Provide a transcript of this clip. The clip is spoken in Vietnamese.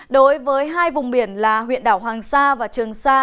đối với hai vùng biển là huyện đảo hoàng sa và trường sa